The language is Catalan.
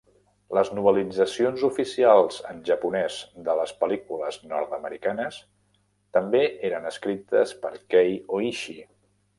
Les novel·litzacions oficials en japonès de les pel·lícules nord-americanes també eren escrites per Kei Ohishi.